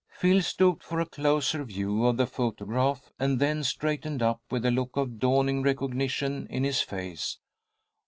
Phil stooped for a closer view of the photograph, and then straightened up, with a look of dawning recognition in his face.